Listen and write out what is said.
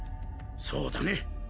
そうだね。